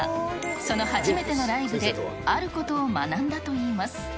その初めてのライブであることを学んだといいます。